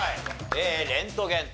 えレントゲンと。